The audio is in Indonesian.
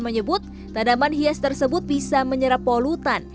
menyebut tanaman hias tersebut bisa menyerap polutan